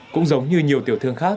cũng giống như nhiều tiểu thị